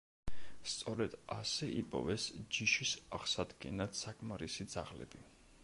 სწორედ ასე იპოვეს ჯიშის აღსადგენად საკმარისი ძაღლები.